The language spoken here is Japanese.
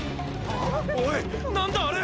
おい何だあれ！